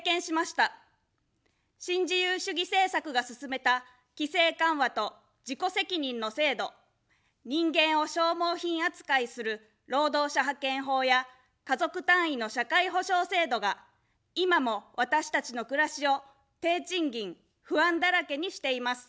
新自由主義政策が進めた規制緩和と自己責任の制度、人間を消耗品扱いする労働者派遣法や家族単位の社会保障制度が今も私たちの暮らしを低賃金、不安だらけにしています。